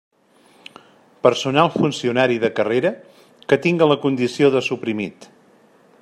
Personal funcionari de carrera que tinga la condició de suprimit.